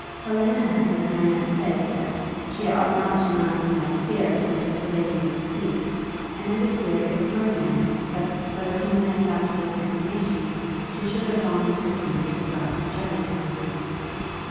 Helena had heard Marriott say, that "she ought not to run up and down stairs, because her lady was asleep," and it appeared extraordinary that but a few minutes after this information she should have gone into the room with a glass of jelly in her hand.